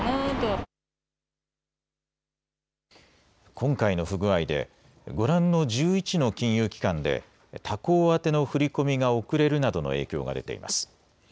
今回の不具合でご覧の１１の金融機関で他行宛の振り込みが遅れるなどの影響が出ています。